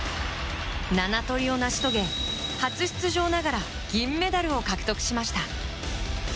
７トリを成し遂げ、初出場ながら銀メダルを獲得しました。